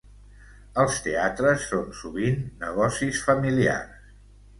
Els teatres són sovint negocis familiars.